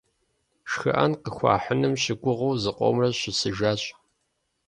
ШхыӀэн къыхуахьыным щыгугъыу зыкъомрэ щысыжащ.